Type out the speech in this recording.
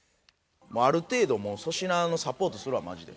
ある程度もう粗品のサポートするわマジで。